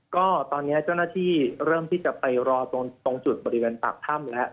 ก็ตอนนี้เจ้าหน้าที่เริ่มที่จะไปรอตรงจุดบริเวณปากถ้ำแล้ว